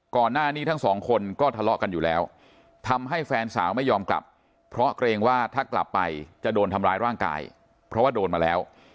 ก่อนหน้านี้ทั้งสองคนก็ทะเลาะกันอยู่แล้วทำให้แฟนสาวไม่ยอมกลับเพราะเกรงว่าถ้ากลับไปจะโดนทำร้ายร่างกายเพราะว่าโดนมาแล้ว